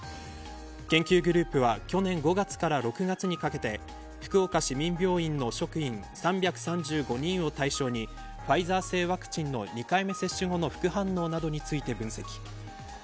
研究グループは去年５月から６月にかけて福岡市民病院の職員３３５人を対象にファイザー製ワクチンの２回目接種後の副反応などについて分析。